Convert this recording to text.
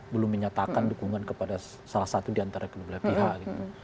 belum menyatakan dukungan kepada salah satu diantara kemulia pihak gitu